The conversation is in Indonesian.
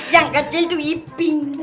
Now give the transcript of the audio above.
yang kecil itu iping